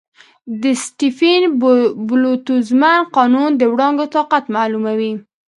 د سټیفن-بولټزمن قانون د وړانګو طاقت معلوموي.